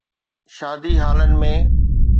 شادي هالن ۾.